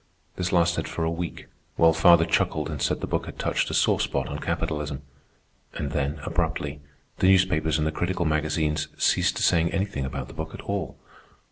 This lasted for a week, while father chuckled and said the book had touched a sore spot on capitalism. And then, abruptly, the newspapers and the critical magazines ceased saying anything about the book at all.